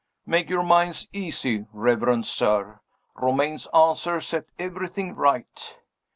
Make your mind easy, reverend sir! Romayne's answer set everything right.